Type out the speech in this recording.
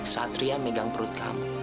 satria megang perut kamu